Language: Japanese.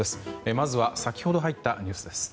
まずは先ほど入ったニュースです。